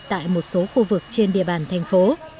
tại một số khu vực trên địa bàn thành phố